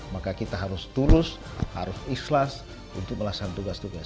maka kita harus tulus harus ikhlas untuk melaksanakan tugas tugas